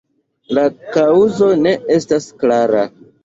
La kaŭzo ne estas klara.